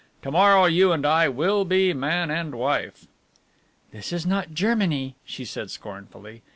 To morrow you and I will be man and wife." "This is not Germany," she said scornfully.